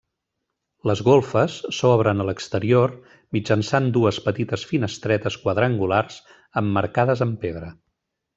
Les golfes s'obren a l'exterior mitjançant dues petites finestretes quadrangulars emmarcades amb pedra.